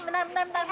bentar bentar bentar